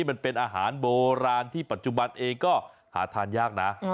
มันเป็นอาหารโบราณที่ปัจจุบันเองก็หาทานยากนะ